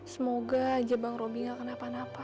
semoga aja bang roby gak kenapa napa